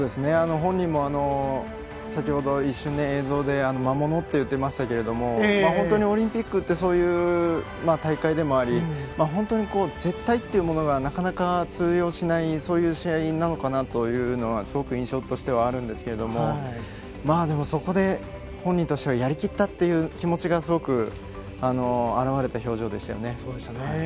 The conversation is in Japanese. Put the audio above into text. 本人も先ほど映像で一瞬、魔物といっていましたが本当にオリンピックってそういう大会でもあり絶対というものがなかなか通用しないそういう試合なのかなとすごく印象としてはありますがでもそこで本人としてはやりきったっていう気持ちがすごく表れた表情でしたよね。